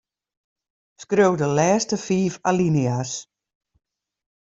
Skriuw de lêste fiif alinea's.